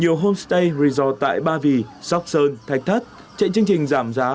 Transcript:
nhiều homestay resort tại ba vì sóc sơn thạch thất chạy chương trình giảm giá ba mươi bốn mươi